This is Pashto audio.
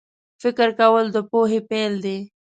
فکر کول د پوهې پیل دی